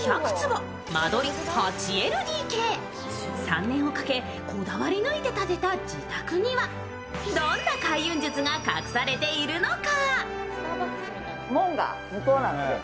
３年をかけ、こだわり抜いて建てた自宅には、どんな開運術が隠されているのか。